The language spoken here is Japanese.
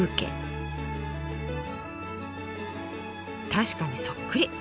確かにそっくり。